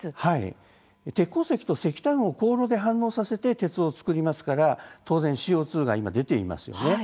鉄鉱石と石炭を高炉で反応させて鉄を作りますから当然、ＣＯ２が出ています。